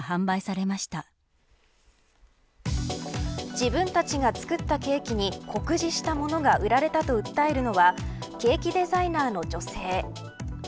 自分たちが作ったケーキに酷似したものが売られたと訴えるのはケーキデザイナーの女性。